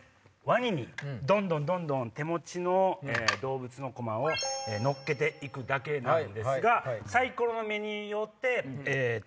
ワニにどんどんどんどん手持ちの動物のコマを乗っけて行くだけなのですがサイコロの目によってえっと。